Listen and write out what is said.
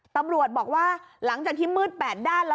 ตำรวจบอกว่าหลังจากที่มืด๘ด้านแล้ว